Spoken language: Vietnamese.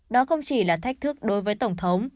đó không chỉ là thách thức đối với tổng thống